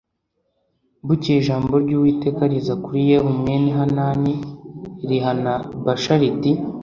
Bukeye ijambo ry’Uwiteka riza kuri Yehu mwene Hanani rihana Bāsha riti